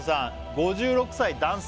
５６歳男性